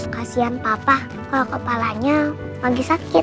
kasian bapak kalau kepalanya lagi sakit